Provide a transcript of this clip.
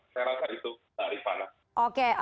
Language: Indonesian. saya rasa itu dari sana